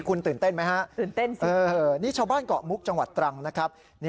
คุณตื่นเต้นไหมฮะตื่นเต้นสินี่ชาวบ้านเกาะมุกจังหวัดตรังนะครับ